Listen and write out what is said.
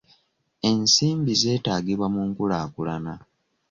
Ensimbi zeetaagibwa mu nkulaakulana.